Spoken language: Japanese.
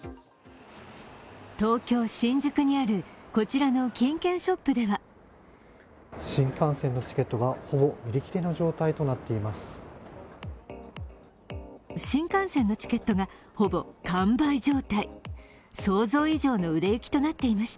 東京・新宿にあるこちらの金券ショップでは新幹線のチケットがほぼ売り切れの状態となっています。